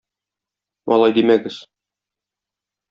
Алай димәгез.